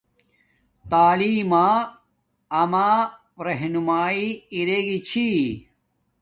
تعلیم ما اما رہنماݵݵ ارے گی